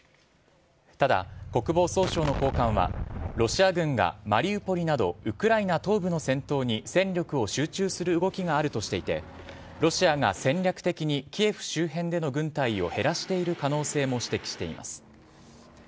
ただ、国防総省の高官はロシア軍がマリウポリなどウクライナ東部の戦闘に戦力を集中する動きがあるとしていてロシアが戦略的にキエフ周辺での軍隊を減らしている可能性も指摘しています。